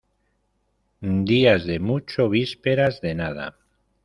Días de mucho, vísperas de nada.